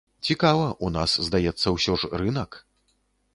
Цікава, у нас, здаецца, усё ж, рынак.